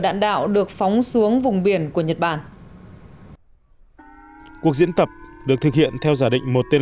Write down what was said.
đạn đạo được phóng xuống vùng biển của nhật bản cuộc diễn tập được thực hiện theo giả định một tên